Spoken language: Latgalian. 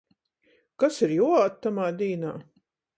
Kas ir juoād tamā dīnā?